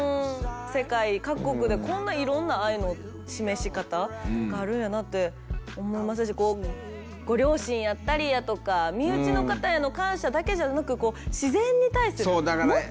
世界各国でこんないろんな愛の示し方があるんやなって思いましたしご両親やったりやとか身内の方への感謝だけじゃなく自然に対するもっと大きな規模での感謝。